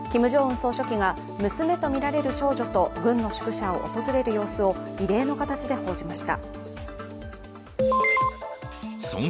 総書記が娘とみられる少女と軍の宿舎を訪れる様子を異例の形で報じました。